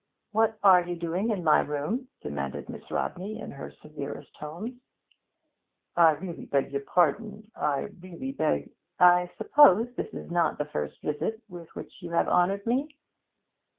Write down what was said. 'What are you doing in my room?' demanded Miss Rodney, in her severest tones. 'I really beg your pardon I really beg ' 'I suppose this is not the first visit with which you have honoured me?'